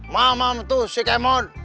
mamam tuh si kemon